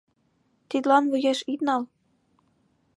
Тидлан вуеш ит нал.